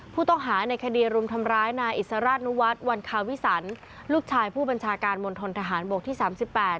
ผู้ต้องหาในคดีรุมทำร้ายนายอิสราชนุวัฒน์วันคาวิสันลูกชายผู้บัญชาการมณฑนทหารบกที่สามสิบแปด